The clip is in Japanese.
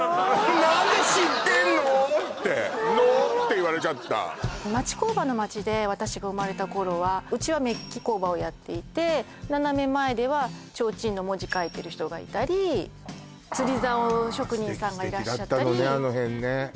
「何で知ってんの」って「の」っていわれちゃった町工場の町で私が生まれたころはうちはメッキ工場をやっていて斜め前ではちょうちんの文字書いてる人がいたり釣り竿職人さんがいらしたりあ素敵だったのね